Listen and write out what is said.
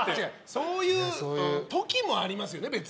そういう時もありますよね。